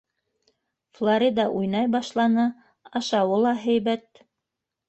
Флорида уйнай башланы, ашауы ла һәйбәт.